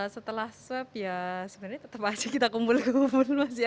setelah swab ya sebenarnya tetap aja kita kumpul kumpul